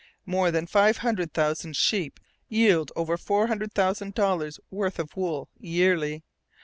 More than five hundred thousand sheep yield over four hundred thousand dollars' worth of wool yearly.